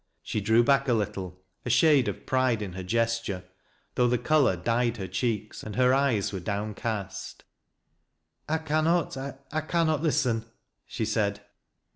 She drew back a little, a shade of pride in hei gesture, though the color dyed her cheeks and her eyes were downcast. " I cannot — I cannot listen," she said.